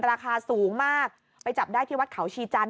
ราคาสูงมากไปจับได้ที่วัดเขาชีจันท